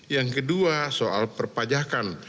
yang kedua soal perpajakan